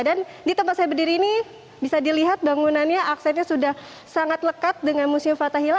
dan di tempat saya berdiri ini bisa dilihat bangunannya aksennya sudah sangat lekat dengan museum fathahila